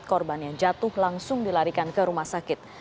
korban yang jatuh langsung dilarikan ke rumah sakit